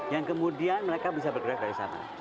yang kemudian mereka bisa bergerak dari sana